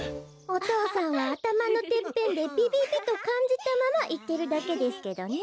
お父さんはあたまのてっぺんでピピピとかんじたままいってるだけですけどね。